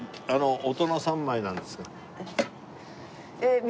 大人３枚なんですけど。